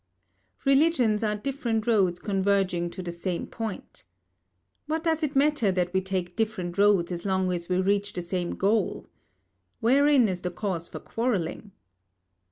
Religions are different roads converging to the same point. What does it matter that we take different roads, so long as we reach the same goal? Wherein is the cause for quarrelling?